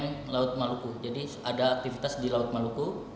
kempa ini terjadi karena ada aktivitas di laut maluku